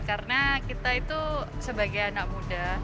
karena kita itu sebagai anak muda